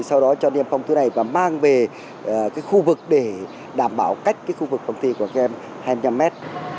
sau đó cho điểm phòng thứ này và mang về cái khu vực để đảm bảo cách cái khu vực phòng thi của các em hai mươi năm mét